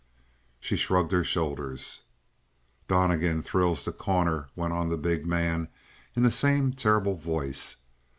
She shrugged her shoulders. "Donnegan thrills The Corner!" went on the big man in the same terrible voice.